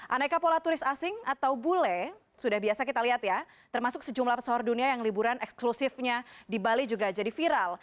aneka pola turis asing atau bule sudah biasa kita lihat ya termasuk sejumlah pesawat dunia yang liburan eksklusifnya di bali juga jadi viral